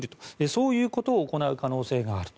そういうことを行う可能性がある。